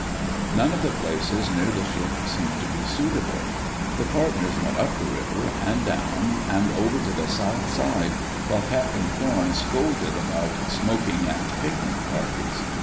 None of the places near the ship seemed to be suitable. The partners went up the river and down, and over to the south side, while Captain Thorn scolded about "smoking and picnic parties."